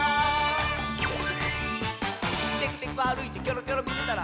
「テクテクあるいてキョロキョロみてたら」